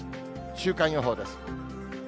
週間予報です。